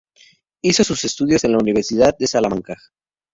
Hizo sus estudios en la Universidad de Salamanca.